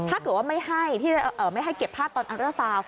ถ้าเกิดว่าไม่ให้เก็บภาพตอนอันเดิร์สาว